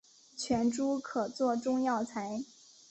全株可做中药材。